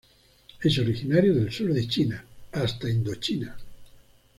Es originario del sur de China hasta Indochina.